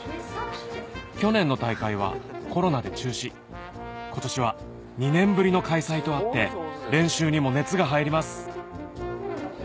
去年の大会はコロナで中止今年は２年ぶりの開催とあって練習にも熱が入ります